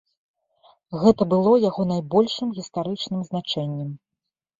Гэта было яго найбольшым гістарычным значэннем.